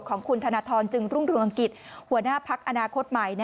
ของคุณธนทรจึงรุ่งเรืองกิจหัวหน้าพักอนาคตใหม่